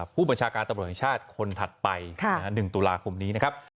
ผู้บัญชาการตำรวจแห่งชาติคนถัดไป๑ตุลาคมนี้นะครับ